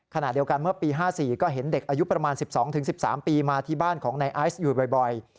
ขณะเดียวกันเมื่อปี๕๔ก็เห็นเด็กอายุประมาณ๑๒๑๓ปีมาที่บ้านของนายไอซ์อยู่บ่อย